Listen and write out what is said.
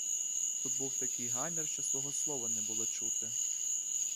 Тут був такий гамір, що свого слова не було чути.